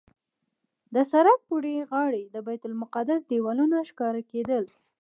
د سړک پورې غاړې د بیت المقدس دیوالونه ښکاره کېدل.